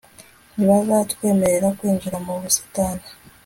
ntibazatwemerera kwinjira mu busitani